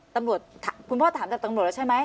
คุณพ่อถามจากตำรวจแล้วใช่ไหม